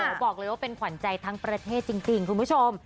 บอกเลยว่าเป็นขวัญใจทั้งประเทศจริงคุณผู้ชม